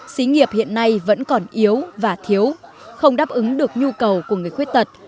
xí nghiệp hiện nay vẫn còn yếu và thiếu không đáp ứng được nhu cầu của người khuyết tật